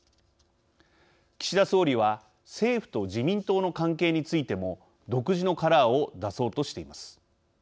岸田総理は政府と自民党の関係についても独自のカラーを出そうとしています。